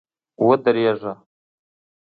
ودرېږه!